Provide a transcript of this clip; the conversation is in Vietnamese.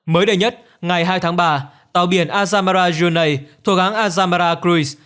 mới đây nhất ngày hai tháng ba tàu biển azamara junay thuộc hãng azamara cruise